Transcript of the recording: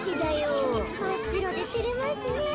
まっしろでてれますね。